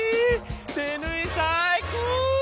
手ぬい最高！